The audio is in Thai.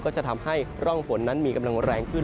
จะทำให้ร่องฝนนั้นมีกำลังแรงขึ้น